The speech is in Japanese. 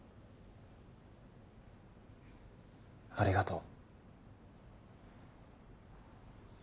ありがとう。